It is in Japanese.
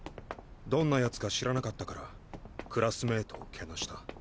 どんな奴か知らなかったからクラスメートを貶した。